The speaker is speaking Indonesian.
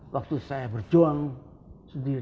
waktu saya berjuang sendiri